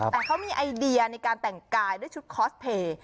แต่เขามีไอเดียในการแต่งกายด้วยชุดคอสเพลย์